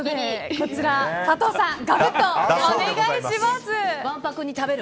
佐藤さん、ガブッとお願いします。